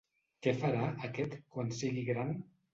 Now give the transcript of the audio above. Què farà, aquest, quan sigui gran?